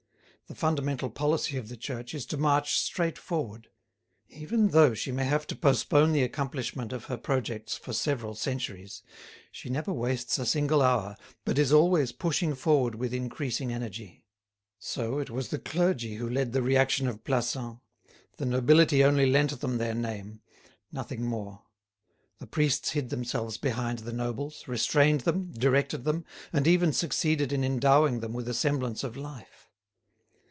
The fundamental policy of the Church is to march straight forward; even though she may have to postpone the accomplishment of her projects for several centuries, she never wastes a single hour, but is always pushing forward with increasing energy. So it was the clergy who led the reaction of Plassans; the nobility only lent them their name, nothing more. The priests hid themselves behind the nobles, restrained them, directed them, and even succeeded in endowing them with a semblance of life.